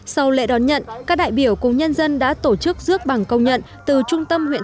sau lễ đón nhận các đại biểu cùng nhân dân đã tổ chức dước bằng công nhận từ trung tâm huyện